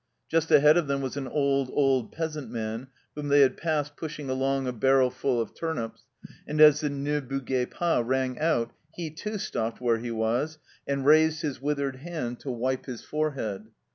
Just ahead of them was an old, old peasant man whom they had passed pushing along a barrow full of turnips, and as the " Ne bougez pas " rang out he, too, stopped where he was and raised his withered hand to wipe his 14 106 THE CELLAR HOUSE OF PERVYSE forehead.